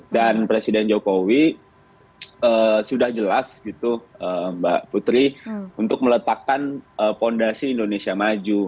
dan presiden jokowi sudah jelas gitu mbak putri untuk meletakkan fondasi indonesia maju